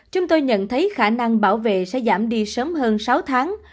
chúng tôi nhận thấy khả năng bảo vệ sẽ giảm đi sớm hơn sáu tháng